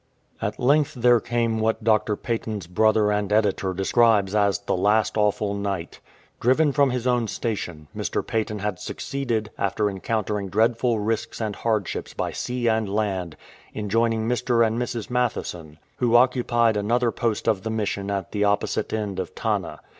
At length there came what Dr. Paton's brother and editor describes as " the last awful night." Driven from his own station, Mr. Paton had succeeded, after encounter ing dreadful risks and hardships by sea and land, in joining Mr. and Mrs. Mathieson, who occupied another post of the Mission at the opposite end of Tanna.